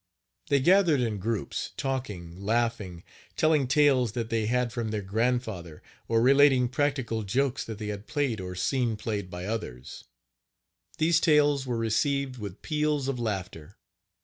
They gathered in groups, talking, laughing, telling tales that they had from their grandfather, or relating practical jokes that they had played or seen played by others. These tales were received with peals of laughter.